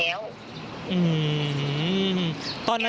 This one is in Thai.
อืมตอนนั้น